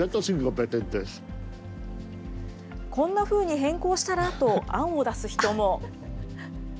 こんなふうに変更したら？と案を出す人も。